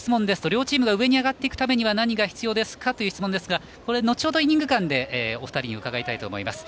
両チームが上に上がっていくためには何が必要ですかという質問ですが後ほどのイニング間でお二人にはお伺います。